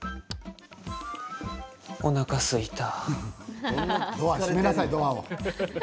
おなか、すいた。